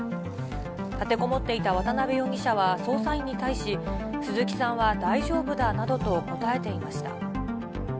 立てこもっていた渡辺容疑者は、捜査員に対し、鈴木さんは大丈夫だなどと答えていました。